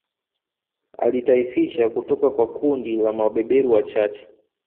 Aliitaifisha kutoka kwa kundi la mabeberu wachache